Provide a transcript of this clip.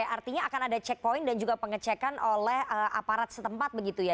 artinya akan ada checkpoint dan juga pengecekan oleh aparat setempat begitu ya